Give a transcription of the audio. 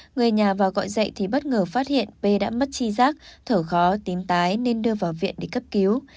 người nhà vào gọi dậy thì bất ngờ phát hiện p đã mất chi giác thở khó tím tái nên đưa vào viện để cấp cứu